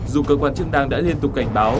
dù cơ quan chức năng đã liên tục cảnh báo